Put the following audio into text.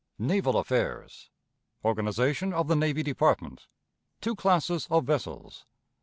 Naval Affairs. Organization of the Navy Department. Two Classes of Vessels.